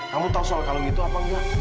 kamu tahu soal kalung itu apa enggak